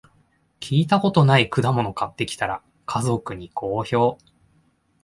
聞いたことない果物買ってきたら、家族に好評